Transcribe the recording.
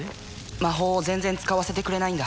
魔法を全然使わせてくれないんだ